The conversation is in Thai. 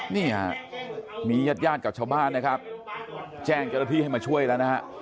นี่ฮะมีญาติญาติกับชาวบ้านนะครับแจ้งเจ้าหน้าที่ให้มาช่วยแล้วนะฮะ